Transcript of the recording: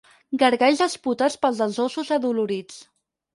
Gargalls esputats pels dels ossos adolorits.